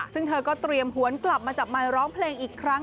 ซึ่งเธอก็เตรียมหวนกลับมาจับไมค์ร้องเพลงอีกครั้ง